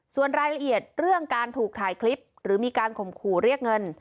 ส่วนรายละเอียดเรื่องการถูกถ่ายคลิปหรือมีการข่มขู่เรียกเงิน